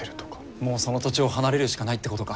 もうその土地を離れるしかないってことか。